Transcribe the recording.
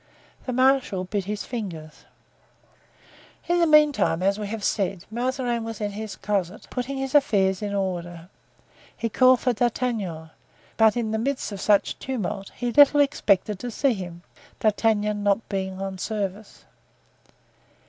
The marshal bit his fingers. In the meantime, as we have said, Mazarin was in his closet, putting his affairs in order. He called for D'Artagnan, but in the midst of such tumult he little expected to see him, D'Artagnan not being on service.